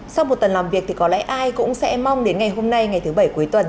sau một tuần làm việc thì có lẽ ai cũng sẽ mong đến ngày hôm nay ngày thứ bảy cuối tuần